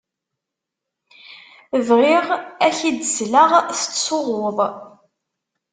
Bɣiɣ ad k-id-sleɣ tettsuɣuḍ.